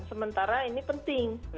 sementara ini penting